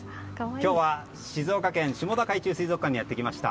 今日は静岡県下田海中水族館にやってきました。